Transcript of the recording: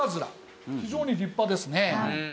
非常に立派ですね。